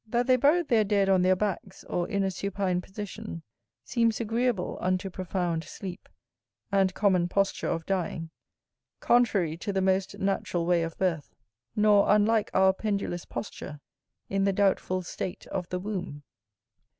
That they buried their dead on their backs, or in a supine position, seems agreeable unto profound sleep, and common posture of dying; contrary to the most natural way of birth; nor unlike our pendulous posture, in the doubtful state of the womb.